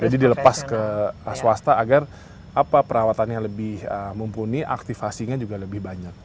jadi dilepas ke swasta agar perawatannya lebih mumpuni aktifasinya juga lebih banyak